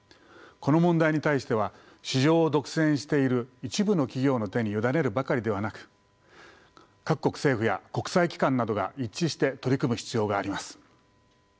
この問題に対しては市場を独占している一部の企業の手に委ねるばかりではなく各国政府や国際機関などが一致して取り組む必要があります。